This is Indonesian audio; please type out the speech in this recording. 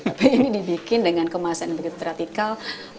tapi ini dibikin dengan kemasan yang begitu teratikal